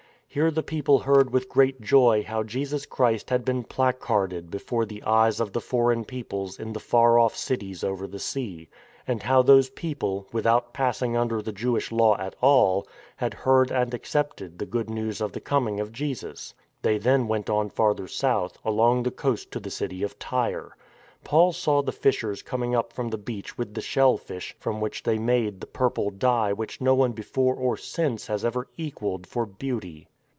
Here the people heard with great joy how Jesus Christ had been placarded before the eyes of the foreign peoples in the far off cities over the sea; and how those people, without pass ing under the Jewish Law at all, had heard and ac cepted the Good News of the coming of Jesus, They then went on farther south, along the coast to the city of Tyre. Paul saw the fishers coming up from the beach with the shellfish, from which they made the purple dye which no one before or since has ever equalled for beauty.